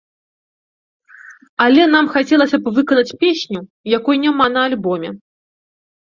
Але нам хацелася б выканаць песню, якой няма на альбоме.